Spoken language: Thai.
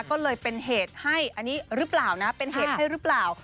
ก็เลยเป็นเหตุให้อันนี้เป็นเหตุให้หรือเปล่า